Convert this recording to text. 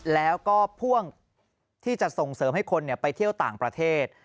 แล้วก็พ่วงที่จะส่งเสริมให้คนไปเที่ยวต่างประเทศ